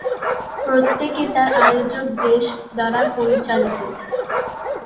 প্রত্যেকে তার আয়োজক দেশ দ্বারা পরিচালিত।